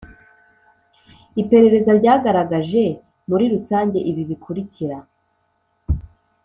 Iperereza ryagaragaje muri rusange ibi bikurikira